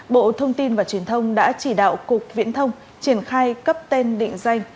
bộ thông tin và truyền thông đã chỉ đạo cục viễn thông triển khai cấp tên định danh